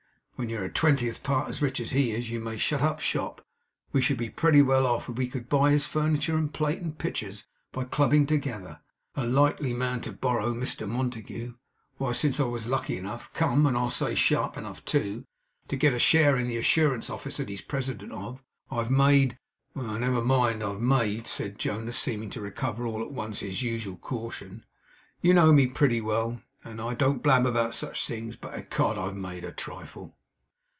When you're a twentieth part as rich as he is, you may shut up shop! We should be pretty well off if we could buy his furniture, and plate, and pictures, by clubbing together. A likely man to borrow: Mr Montague! Why since I was lucky enough (come! and I'll say, sharp enough, too) to get a share in the Assurance office that he's President of, I've made never mind what I've made,' said Jonas, seeming to recover all at once his usual caution. 'You know me pretty well, and I don't blab about such things. But, Ecod, I've made a trifle.